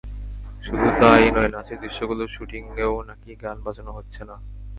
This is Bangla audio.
শুধু তা-ই নয়, নাচের দৃশ্যগুলোর শুটিংয়েও নাকি গান বাজানো হচ্ছে না।